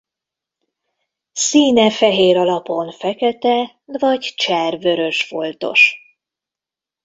Színe fehér alapon fekete vagy cser vörös foltos.